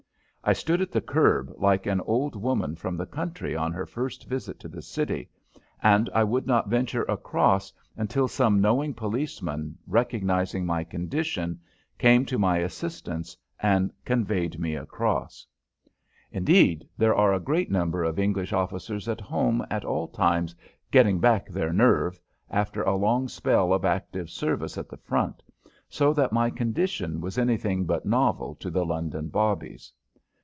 I stood at the curb, like an old woman from the country on her first visit to the city, and I would not venture across until some knowing policeman, recognizing my condition, came to my assistance and convoyed me across. Indeed, there are a great number of English officers at home at all times "getting back their nerve" after a long spell of active service at the front, so that my condition was anything but novel to the London bobbies.